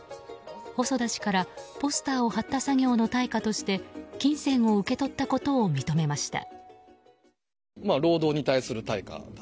細田氏からポスターを貼った作業の対価として金銭を受け取ったことを認めました。